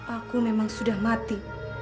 aku memang sudah mati